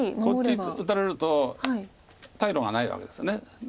こっち打たれると退路がないわけです。